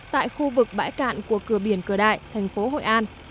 tại khu vực bãi cạn của cửa biển cửa đại thành phố hội an